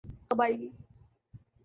قبائلی